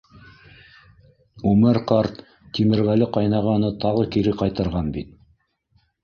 Үмәр ҡарт Тимерғәле ҡайнағаны тағы кире ҡайтарған бит.